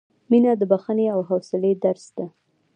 • مینه د بښنې او حوصلې درس دی.